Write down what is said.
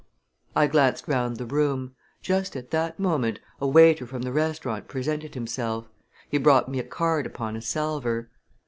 I glanced round the room. Just at that moment a waiter from the restaurant presented himself. He brought me a card upon a salver.